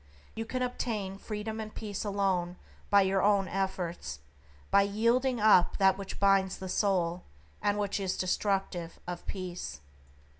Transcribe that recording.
You can obtain freedom and peace alone by your own efforts, by yielding up that which binds the soul, and which is destructive of peace.